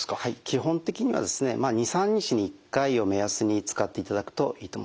基本的には２３日に１回を目安に使っていただくといいと思います。